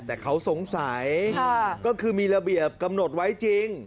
แต่เขาสงสัยก็คือมีระเบียบกำหนดไว้จริง